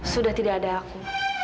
sudah tidak ada aku